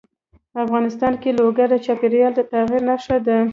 افغانستان کې لوگر د چاپېریال د تغیر نښه ده.